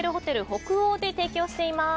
北欧で提供しています。